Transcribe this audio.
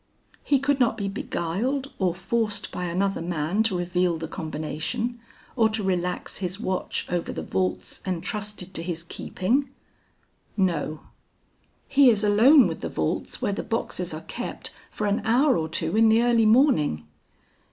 "He could not be beguiled or forced by another man to reveal the combination, or to relax his watch over the vaults entrusted to his keeping?" "No." "He is alone with the vaults where the boxes are kept for an hour or two in the early morning!"